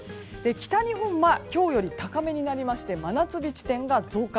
北日本は今日より高めになりまして真夏日地点が増加。